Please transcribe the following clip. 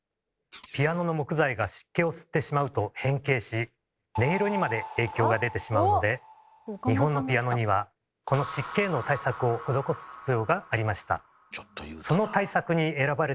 ピアノの木材が湿気を吸ってしまうと変形し音色にまで影響が出てしまうので日本のピアノにはこの湿気への対策を施す必要がありました。